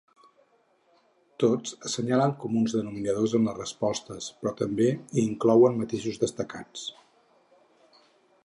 Tots assenyalen comuns denominadors en les respostes, però també hi inclouen matisos destacats.